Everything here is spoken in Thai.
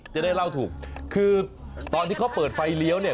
จะได้เล่าถูกคือตอนที่เขาเปิดไฟเลี้ยวเนี่ย